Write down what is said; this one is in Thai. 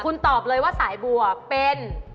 คุณตอบเลยว่าสายบัวเป็น